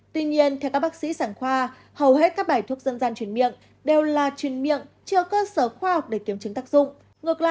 tuy nhiên theo các bác sĩ sản khoa hầu hết các bài thuốc dân gian chuyển miệng đều là chuyển miệng trừ cơ sở khoa học để kiếm chứng tác dụng